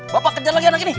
bapak kejar lagi anak ini